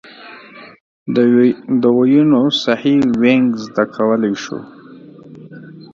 د ویونو صحیح وینګ زده کولای شو.